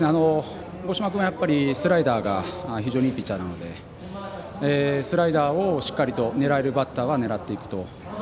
五島君は非常にスライダーがいいピッチャーなのでスライダーをしっかりと狙えるバッターは狙っていくと。